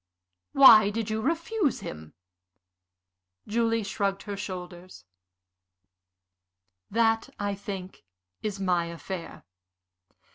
"Why did you refuse him?" Julie shrugged her shoulders. "That, I think, is my affair.